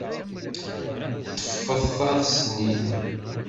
Teṭṭfeḍ-as-ten-id.